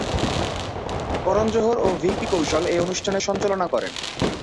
করণ জোহর ও ভিকি কৌশল এই অনুষ্ঠানের সঞ্চালনা করেন।